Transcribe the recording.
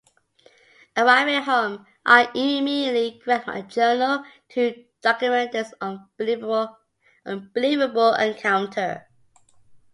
Arriving home, I immediately grabbed my journal to document this unbelievable encounter.